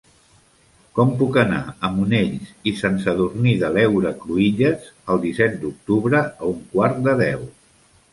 Com puc anar a Monells i Sant Sadurní de l'Heura Cruïlles el disset d'octubre a un quart de deu?